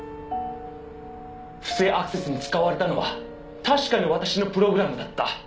「不正アクセスに使われたのは確かに私のプログラムだった」